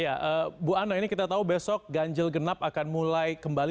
ya bu ano ini kita tahu besok ganjil genap akan mulai kembali